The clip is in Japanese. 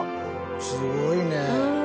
すごいね。